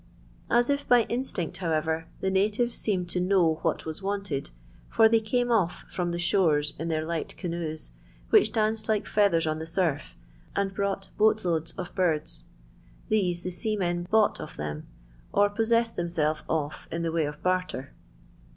As if by instinct, however, the natives seemed to know what was wanted, for they came off from tlio shores in their light canoes, which daaeed like feathers on the surf, and brought boal loads of birds ; these the seamen bought of thea, or pos sessed themselves of in the way of barter.